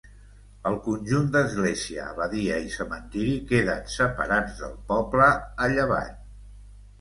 El conjunt d'església, abadia i cementiri queden separats del poble, a llevant.